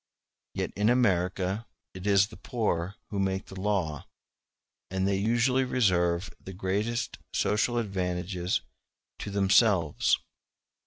Yet in America it is the poor who make the law, and they usually reserve the greatest social advantages to themselves.